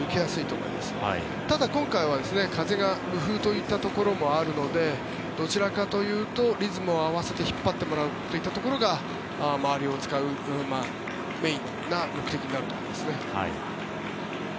ただ、今回は風が無風というところもあるのでどちらかというとリズムを合わせて引っ張っていってもらうというところが周りを使うメインの目的になると思いますね。